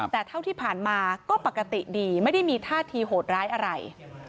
แต่เท่าที่ผ่านมาก็ปกติดีไม่ได้มีท่าทีโหดร้ายอะไร